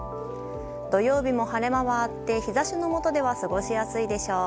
土曜日も晴れ間はあって日差しのもとでは過ごしやすいでしょう。